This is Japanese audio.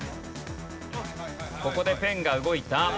ここでペンが動いた。